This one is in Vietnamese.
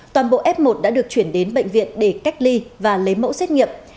toàn bộ f một đã được chuyển đến bệnh viện để cách ly và lấy mẫu xét nghiệm